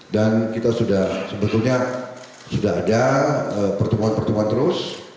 dan kita sudah sebetulnya sudah ada pertemuan pertemuan terus